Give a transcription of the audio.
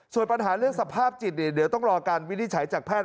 ส่วนปัญหาเรื่องสภาพจิตเดี๋ยวต้องรอการวินิจฉัยจากแพทย์